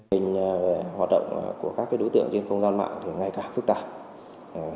hình hoạt động của các đối tượng trên không gian mạng ngày càng phức tạp